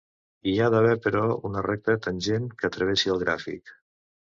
Hi ha d'haver però una recta tangent que travessi el gràfic.